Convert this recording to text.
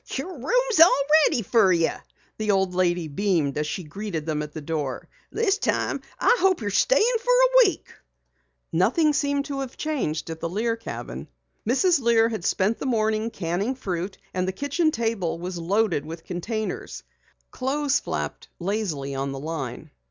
"Your room's all ready fer you," the old lady beamed as she greeted them at the door. "This time I hope you're stayin' fer a week." Nothing seemed changed at the Lear cabin. Mrs. Lear had spent the morning canning fruit, and the kitchen table was loaded with containers. A washing flapped lazily on the line.